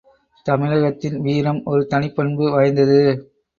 தமிழகத்தின் வீரம் ஒரு தனிப் பண்பு வாய்ந்தது.